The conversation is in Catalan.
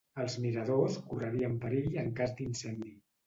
Els miradors correrien perill en cas d'incendi.